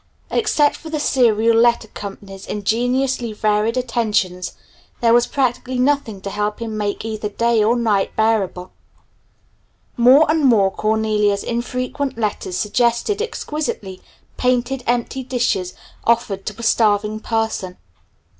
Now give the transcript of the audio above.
Except for the Serial Letter Co.'s ingeniously varied attentions there was practically nothing to help him make either day or night bearable. More and more Cornelia's infrequent letters suggested exquisitely painted empty dishes offered to a starving person.